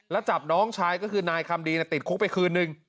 แล้วจับน้องชายก็คือนายคำดีติดคุกไปคืนนึง